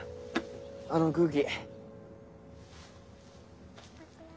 あの空気。